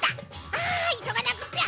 あいそがなくっちゃ！